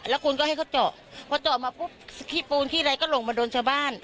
แล้วคุณก็ให้เขาเจาะพอเจาะมาปุ๊บขี้ปูนขี้อะไรก็ลงมาโดนชาวบ้าน